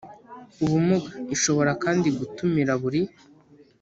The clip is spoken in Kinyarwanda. ubumuga ishobora kandi gutumira buri